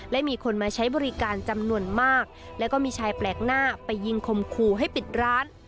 และมีคนมาใช้บริการจำนวนมากแล้วก็มีชายแปลกหน้าไปยิงคมคู่ให้ปิดร้าน